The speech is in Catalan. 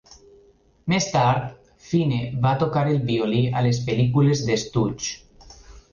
Més tard, Fine va tocar el violí a les pel·lícules de Stooge.